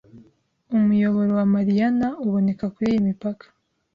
Umuyoboro wa Mariana uboneka kuriyi mipaka